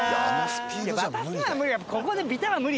渡すのは無理よ。